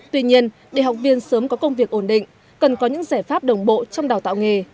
tuy nhiên để học viên sớm có công việc ổn định cần có những giải pháp đồng bộ trong đào tạo nghề